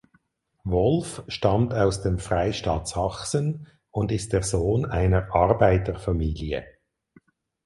Wolf stammt aus dem Freistaat Sachsen und ist der Sohn einer Arbeiterfamilie.